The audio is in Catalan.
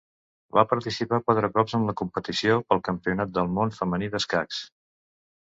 Va participar quatre cops en la competició pel Campionat del món femení d'escacs.